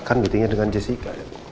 kan buktinya dengan jessica ya